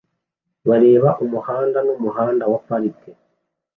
bareba umuhanda mumuhanda wa parike